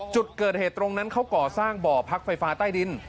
จุดเกิดเหตุตรงนั้นเขาก่อสร้างบ่อพักไฟฟ้าใต้ดิน